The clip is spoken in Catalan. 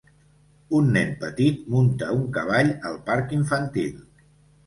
Un nen petit munta un cavall al parc infantil.